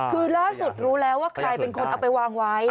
คือล่าสุดรู้แล้วว่าใครเป็นคนเอาไปวางไว้